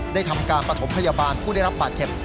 ทำการปฐมพยาบาลผู้ได้รับบาดเจ็บ